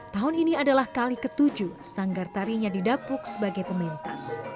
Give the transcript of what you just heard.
tahun ini adalah kali ketujuh sanggar tarinya didapuk sebagai pementas